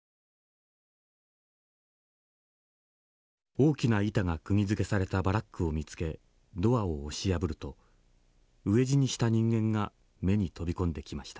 「大きな板がくぎづけされたバラックを見つけドアを押し破ると飢え死にした人間が目に飛び込んできました。